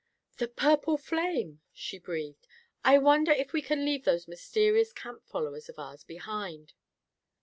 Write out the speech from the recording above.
"The purple flame," she breathed. "I wonder if we can leave those mysterious camp followers of ours behind?"